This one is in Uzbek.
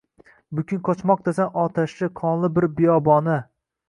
Bukun qochmoqdasan otashli, qonli bir biyobona